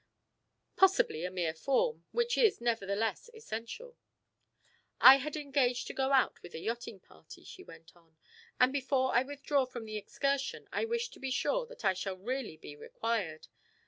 "Possibly a mere form, which is nevertheless essential." "I had engaged to go out with a yachting party," she went on, "and before I withdraw from the excursion I wish to be sure that I shall really be required.